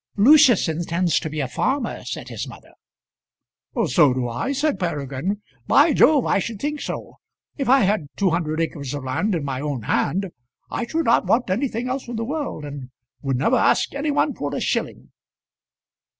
"Lucius intends to be a farmer," said his mother. "So do I," said Peregrine. "By Jove, I should think so. If I had two hundred acres of land in my own hand I should not want anything else in the world, and would never ask any one for a shilling."